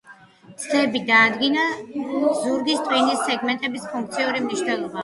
ცდებით დაადგინა ზურგის ტვინის სეგმენტების ფუნქციური მნიშვნელობა.